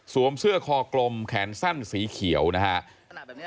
สวมเสื้อคอกลมแขนสั้นสีเขียวนะฮะ